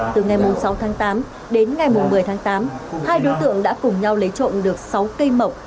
từ ngày sáu tháng tám đến ngày một mươi tháng tám hai đối tượng đã cùng nhau lấy trộm được sáu cây mộc